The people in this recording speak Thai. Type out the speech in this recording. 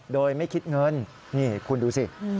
โดยไม่คิดเงินนี่คุณดูสิ